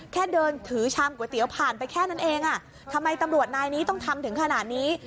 แค่เดินถือชามก๋วยเตี๋ยวผ่านไปแค่นั้นเองอ่ะทำไมตำรวจนายนี้ต้องทำถึงขนาดนี้